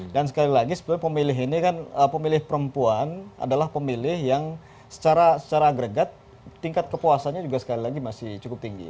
dan sekali lagi pemilih ini kan pemilih perempuan adalah pemilih yang secara agregat tingkat kepuasannya juga sekali lagi masih cukup tinggi ya